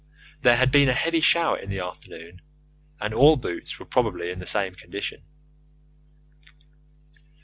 There had been a heavy shower in the afternoon, and all boots were probably in the same condition.